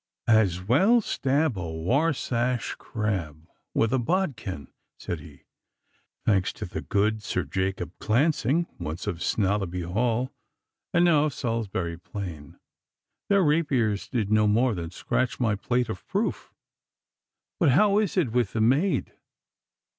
'As well stab a Warsash crab with a bodkin,' said he. 'Thanks to good Sir Jacob Clancing, once of Snellaby Hall and now of Salisbury Plain, their rapiers did no more than scratch my plate of proof. But how is it with the maid?